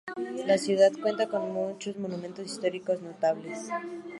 La ciudad cuenta con monumentos históricos notables.